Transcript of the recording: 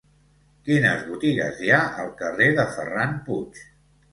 Quines botigues hi ha al carrer de Ferran Puig?